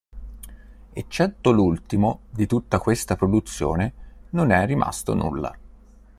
Eccetto l'ultimo, di tutta questa produzione non è rimasto nulla.